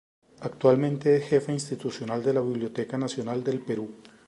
Actualmente es Jefa Institucional de la Biblioteca Nacional del Perú.